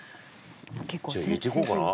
じゃあ入れていこうかな？